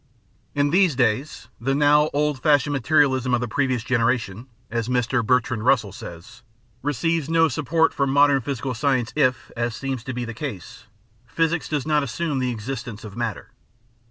^ In these days the now old fashioned materialism of the previous generation, as Mr. Bertrand Russell says, "receives no support from modern physical science if, as seems to be the case, physics does not assume the existence of matter."